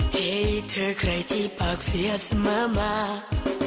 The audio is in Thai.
ให้เธอใครที่ปากเสียเสมอมา